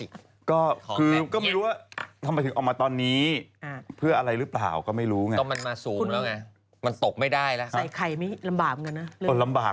โดนไม่มาที่สูงแล้วไงมันตกไม่ได้แล้วค่ะ